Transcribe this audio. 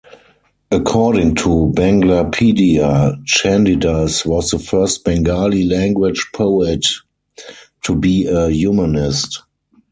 According to Banglapedia, Chandidas was the first Bengali-language poet to be a humanist.